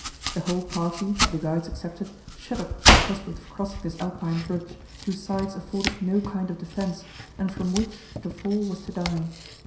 The whole party, the guides excepted, shuddered at the prospect of crossing this alpine bridge, whose sides afforded no kind of defence, and from which to fall was to die.